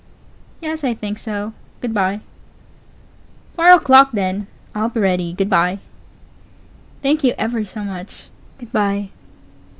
Yes, I think so. good by. Pause. Four o'clock, then I'll be ready. good by. Pause. Thank you ever so much. good by.